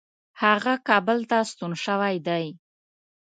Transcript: هغه کابل ته ستون شوی دی.